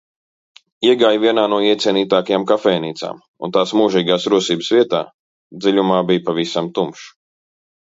Iegāju vienā no iecienītākajām kafejnīcām un tās mūžīgās rosības vietā dziļumā bija pavisam tumšs.